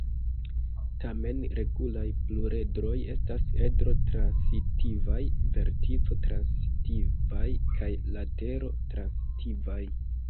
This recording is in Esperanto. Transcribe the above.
Tamen, regulaj pluredroj estas edro-transitivaj, vertico-transitivaj kaj latero-transitivaj.